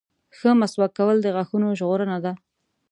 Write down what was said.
• ښه مسواک کول د غاښونو ژغورنه ده.